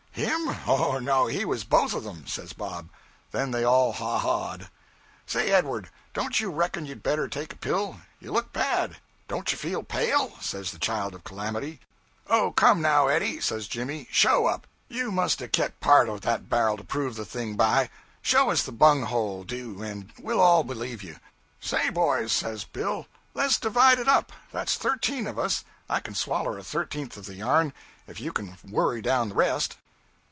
'Him? O, no, he was both of 'em,' says Bob. Then they all haw hawed. 'Say, Edward, don't you reckon you'd better take a pill? You look bad don't you feel pale?' says the Child of Calamity. 'O, come, now, Eddy,' says Jimmy, 'show up; you must a kept part of that bar'l to prove the thing by. Show us the bunghole do and we'll all believe you.' 'Say, boys,' says Bill, 'less divide it up. Thar's thirteen of us. I can swaller a thirteenth of the yarn, if you can worry down the rest.'